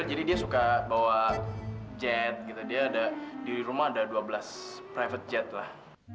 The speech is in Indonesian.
jadi dia suka bawa jet gitu dia ada di rumah ada dua belas private jet lah